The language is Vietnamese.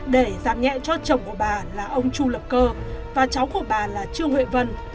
để giảm nhẹ cho chồng của bà là ông chu lập cơ và cháu của bà là trương huệ vân